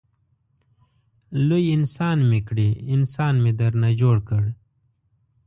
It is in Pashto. لوی انسان مې کړې انسان مې درنه جوړ کړ.